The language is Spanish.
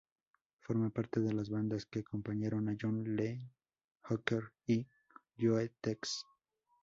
Formó parte de las bandas que acompañaron a John Lee Hooker y Joe Tex.